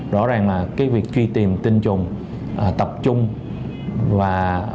rõ ràng là cái việc truy tìm tinh trùng tập trung và